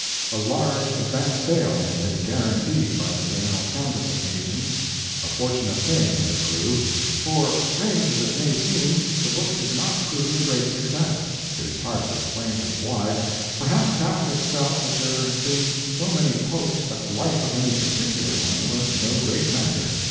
A large advance sale had been guaranteed by the general canvassing agents a fortunate thing, as it proved. For, strange as it may seem, the book did not prove a great success. It is hard to explain just why. Perhaps Catholics felt that there had been so many popes that the life of any particular one was no great matter.